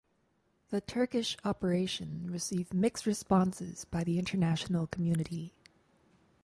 The Turkish operation received mixed responses by the international community.